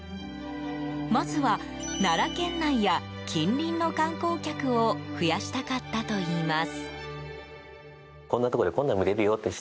まずは奈良県内や近隣の観光客を増やしたかったといいます。